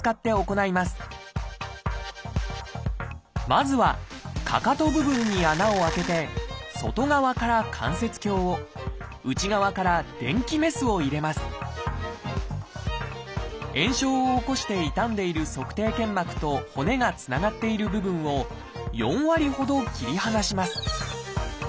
まずはかかと部分に穴を開けて外側から関節鏡を内側から電気メスを入れます炎症を起こして傷んでいる足底腱膜と骨がつながっている部分を４割ほど切り離します